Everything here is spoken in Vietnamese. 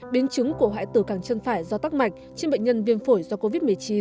biến chứng của hoại tử càng chân phải do tắc mạch trên bệnh nhân viêm phổi do covid một mươi chín